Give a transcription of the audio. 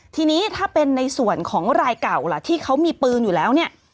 ทีนี้ถ้าเป็นในส่วนของรายเก่าล่ะที่เขามีปืนอยู่แล้วเนี่ย